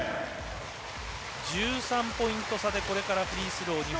１３ポイント差でこれからフリースロー２本。